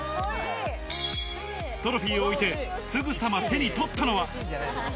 トロフィーを置いて、すぐさま手に取ったのは。